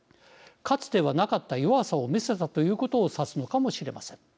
かつてはなかった弱さを見せたということを指すのかもしれません。